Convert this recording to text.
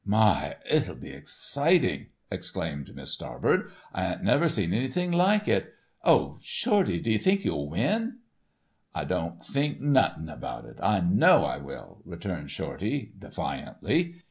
"My, itull be exciting!" exclaimed Miss Starbird. "I ain't never seen anything like it. Oh, Shorty, d'ye think you'll win?" "I don't think nothun about it. I know I will," returned Shorty, defiantly.